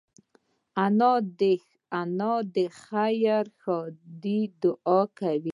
انا د خیر ښادۍ دعا کوي